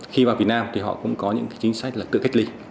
khi vào việt nam thì họ cũng có những chính sách là tự cách ly